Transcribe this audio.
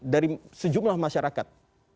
dari sejumlah masyarakat